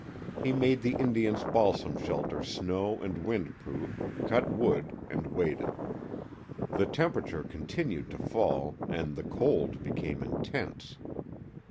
He made the Indian's balsam shelter snow and wind proof, cut wood, and waited. The temperature continued to fall, and the cold became intense.